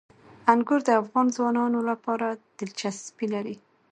انګور د افغان ځوانانو لپاره دلچسپي لري.